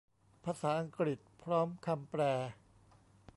ภาษาอังกฤษ พร้อมคำแปล